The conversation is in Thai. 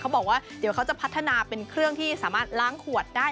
บอกว่าเดี๋ยวเขาจะพัฒนาเป็นเครื่องที่สามารถล้างขวดได้